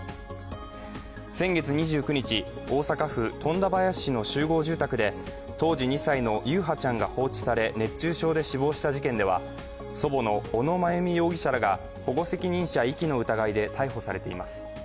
先月２９日、大阪府富田林市の集合住宅で当時２歳の優陽ちゃんが放置され、熱中症で死亡した事件では祖母の小野真由美容疑者らが保護責任者遺棄の疑いで逮捕されています。